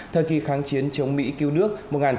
thời kỳ kháng chiến chống mỹ cứu nước